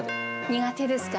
苦手ですか？